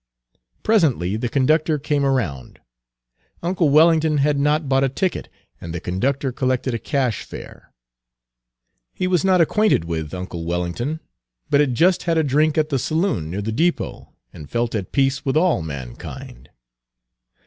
Presently the conductor came around. Uncle Wellington had not bought a ticket, and the conductor collected a cash fare. He was not acquainted with uncle Wellington, Page 227 but had just had a drink at the saloon near the depot, and felt at peace with all mankind.